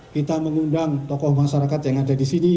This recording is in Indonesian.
kita mengundang tokoh masyarakat yang ada di sini